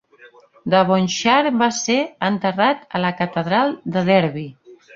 Devonshire va ser enterrat a la catedral de Derby.